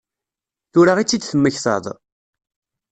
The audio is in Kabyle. Tura i tt-id-temmektaḍ?